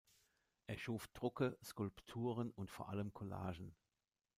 Er schuf Drucke, Skulpturen und vor allem Collagen.